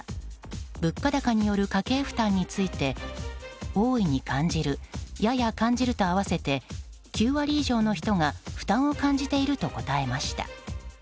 物価高による家計負担について大いに感じるやや感じると合わせて９割以上の人が負担を感じていると答えました。